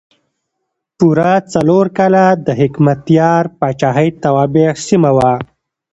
پوره څلور کاله د حکمتیار پاچاهۍ توابع سیمه وه.